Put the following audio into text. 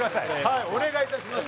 はいお願いいたします